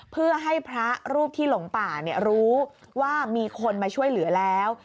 เพื่อให้พระรูปที่หลงป่ารู้ว่ามีคนมาช่วยเหลือแล้ว